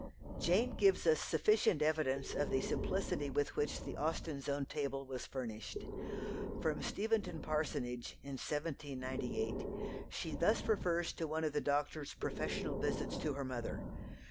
Jane gives us sufficient evidence of the simplicity with which the Austens' own table was furnished. From Steventon parsonage, in 1798, she thus refers to one of the doctor's professional visits to her mother.